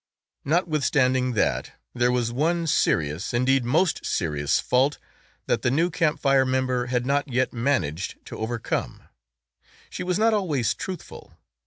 Notwithstanding that, there was one serious, indeed most serious, fault that the new Camp Fire member had not yet man aged to overcome: she was not always truthful.